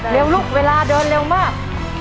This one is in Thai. ลูกเวลาเดินเร็วมาก